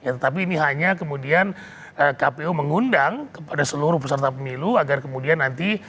tetapi ini hanya kemudian kpu mengundang kepada seluruh peserta pemilu agar kemudian nanti